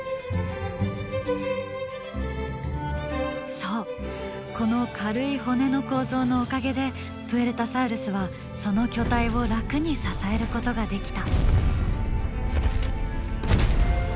そうこの軽い骨の構造のおかげでプエルタサウルスはその巨体を楽に支えることができた。